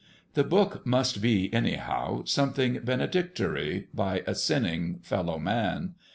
The book must be, anyhow, something benedictory by a sinning fellow man.